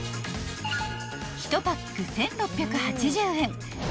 ［１パック１，６８０円］